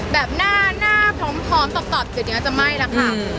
แบบหน้าพร้อมตบจะไม่แล้วคะ